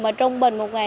mà trung bình một ngày